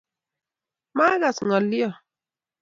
Maagas ngolyoo